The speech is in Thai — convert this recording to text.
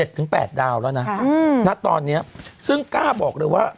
ถึง๘ดาวแล้วนะณตอนนี้ซึ่งกล้าบอกเลยว่า